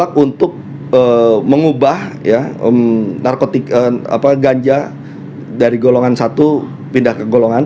ya menolak untuk mengubah ya narkotik apa ganja dari golongan satu pindah ke golongan